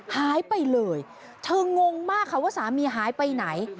หายไปเลยเธองงมากค่ะว่าสามีหายไปไหน